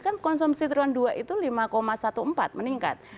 kan konsumsi triwulan dua itu lima empat belas meningkat